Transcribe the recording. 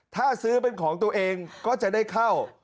ถ้าซื้อเป็นของตัวเองก็จะได้เข้า